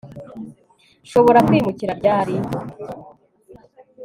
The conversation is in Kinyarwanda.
Nshobora kwimukira ryari